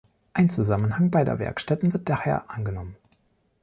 Ein Zusammenhang beider Werkstätten wird daher angenommen.